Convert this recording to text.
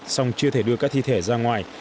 song chưa thể đưa các thi thể ra ngoài